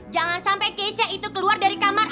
jangan sampai keisha itu keluar dari kamarnya